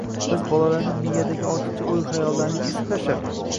Biz bolalarni miyadagi ortiqcha o‘y-xayollarni “kesib tashlab”